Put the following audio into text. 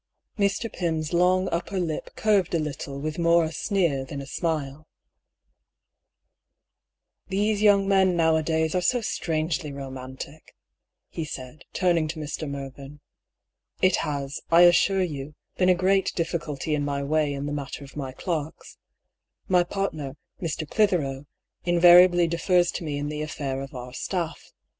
Mr. Pym's long upper lip curved a little with more a sneer than a smile. " These young men now a days are so strangely ro mantic," he said, turning to Mr. Mervyn. " It has, I a'ssure you, been a great difficulty in my way in the mat ter oi my clerks. My partner, Mr. Clithero, invariably defers to me in the affair of our staff.